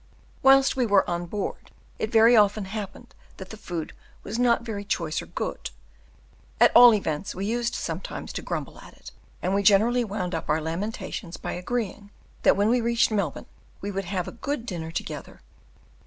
Whilst we were on board, it very often happened that the food was not very choice or good: at all events we used sometimes to grumble at it, and we generally wound up our lamentations by agreeing that when we reached Melbourne we would have a good dinner together.